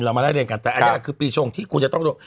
เรามาได้เรียนกันแต่นี้คือเมื่อกีดช่วงที่คุณจะต้องรู้